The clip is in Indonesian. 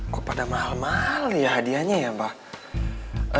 kok pada mahal mahal ya hadiahnya ya mbak